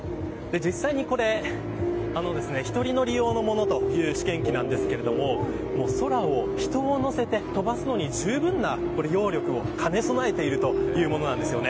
実際に、これ、１人乗り用のものという試験機なんですが空を人を乗せて飛ばすのにじゅうぶんの揚力を兼ね備えているというものなんです。